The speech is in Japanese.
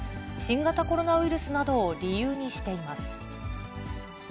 新型コロナウイルスなどを理由にしています。